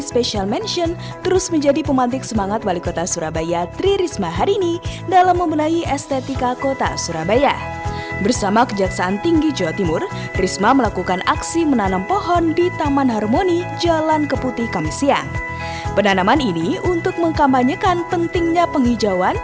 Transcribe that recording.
pengargaan li kuan yu